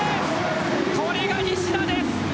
これが西田です。